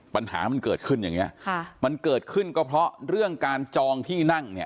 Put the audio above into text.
ปัญหามันเกิดขึ้นอย่างนี้ค่ะมันเกิดขึ้นก็เพราะเรื่องการจองที่นั่งเนี่ย